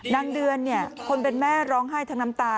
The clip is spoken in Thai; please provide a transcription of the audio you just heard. เดือนคนเป็นแม่ร้องไห้ทั้งน้ำตา